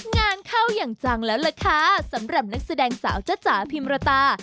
งานเข้าอย่างจังแล้วล่ะค่ะสำหรับนักแสดงสาวจ๊ะจ๋าพิมรตา